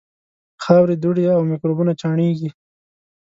خاورې، دوړې او میکروبونه چاڼېږي.